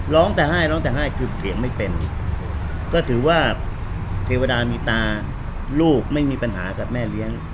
ร้องไห้แต่ไห้ร้องแต่ไห้คือเสียงไม่เป็นก็ถือว่าเทวดามีตาลูกไม่มีปัญหากับแม่เลี้ยง